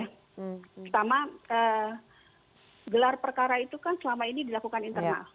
pertama gelar perkara itu kan selama ini dilakukan internal